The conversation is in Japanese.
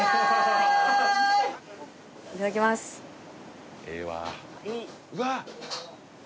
いただきますええわあうわっ！